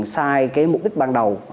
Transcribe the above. sai cái mục đích ban đầu